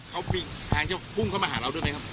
เขามีทางเข้าพุ่งเข้ามาหาเราด้วยไหมครับ